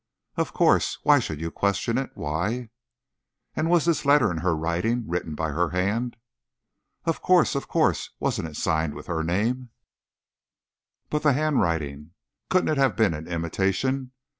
"Of course. Why should you question it? Why " "And was this letter in her writing? written by her hand?" "Of course of course; wasn't it signed with her name?" "But the handwriting? Couldn't it have been an imitation?